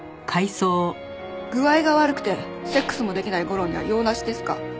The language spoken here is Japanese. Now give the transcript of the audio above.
「具合が悪くてセックスもできない吾良には用なしですか？」